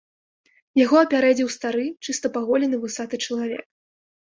Яго апярэдзіў стары, чыста паголены вусаты чалавек.